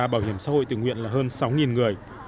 bảo hiểm xã hội tự nguyện là hơn sáu người